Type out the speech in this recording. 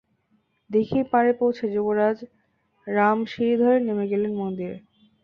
দীঘির পাড়ে পৌঁছে যুবরাজ রাম সিঁড়ি ধরে নেমে গেলেন মন্দিরে।